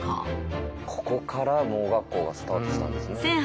ここから盲学校がスタートしたんですね。